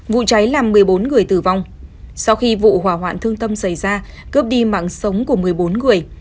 vụ cháy làm một mươi bốn người tử vong sau khi vụ hỏa hoạn thương tâm xảy ra cướp đi mạng sống của một mươi bốn người